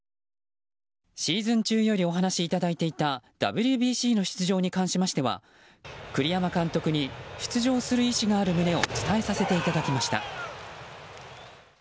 シーズン中よりお話しいただいていたＷＢＣの出場に関しまして栗山監督に出場する意思があることを伝えさせていただきました。